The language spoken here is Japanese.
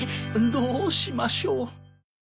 どうしましょう。